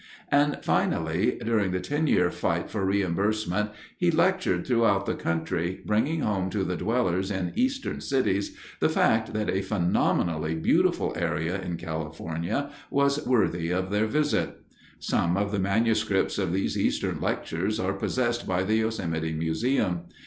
And, finally, during the ten year fight for reimbursement he lectured throughout the country, bringing home to the dwellers in Eastern cities the fact that a phenomenally beautiful area in California was worthy of their visit. Some of the manuscripts of these Eastern lectures are possessed by the Yosemite Museum.